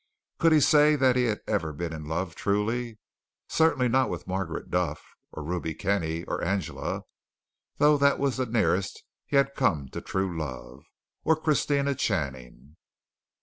Could he say that he had ever been in love truly? Certainly not with Margaret Duff or Ruby Kenny or Angela though that was the nearest he had come to true love or Christina Channing.